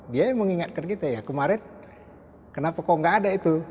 dia mengingatkan kita ya kemarin kenapa kok nggak ada itu